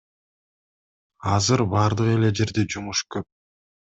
Азыр баардык эле жерде жумуш көп.